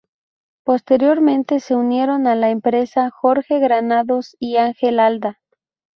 Posteriormente se unieron a la empresa Jorge Granados y Ángel Alda.